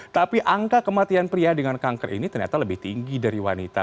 tapi angka kematian pria dengan kanker ini ternyata lebih tinggi dari wanita